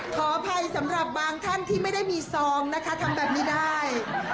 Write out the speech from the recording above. ขออภัยสำหรับบางท่านที่ไม่ได้มีซองนะคะทำแบบนี้ได้